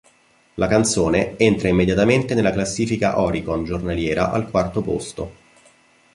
La canzone entra immediatamente nella classifica Oricon giornaliera al quarto posto.